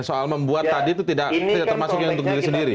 soal membuat tadi itu tidak termasuk yang untuk diri sendiri